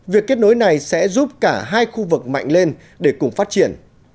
việc kết nối này sẽ giúp cả hai khu vực mạnh lên để cùng phát triển